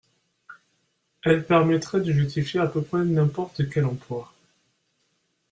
Elle permettrait de justifier à peu près n’importe quel emploi.